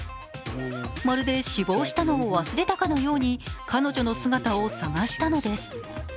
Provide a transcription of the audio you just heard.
まるで死亡したのを忘れたかのように彼女の姿を探したのです。